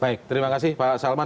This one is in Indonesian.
baik terima kasih pak salman